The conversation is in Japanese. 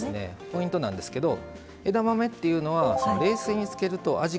ポイントなんですけど枝豆っていうのは冷水につけると味がぬけちゃうんですよ。